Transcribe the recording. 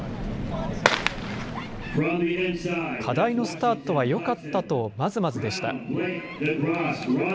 課題のスタートはよかったとまずまずでした。